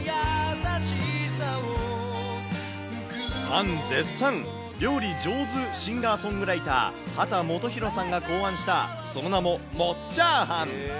ファン絶賛、料理上手シンガーソングライター、秦基博さんが考案した、その名も、もっチャーハン。